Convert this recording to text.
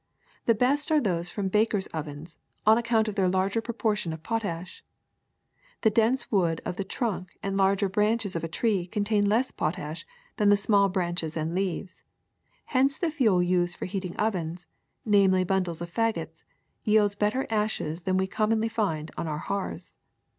The best are those from bak ers' ovens, on account of their larger proportion of potash. The dense wood of the trunk and larger branches of a tree contain less potash than the small branches and the leaves. Hence the fuel used for heating ovens, namely bundles of fagots, yields bet ter ashes than we commonly find on our hearths.